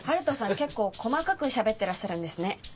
結構細かくしゃべってらっしゃるんですね。